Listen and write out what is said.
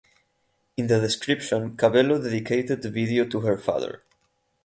In the description Cabello dedicated the video to her father.